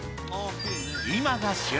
今が旬！